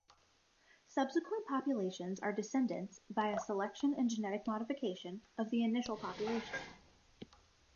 Subsequent populations are descendants, via selection and genetic modification, of the initial population.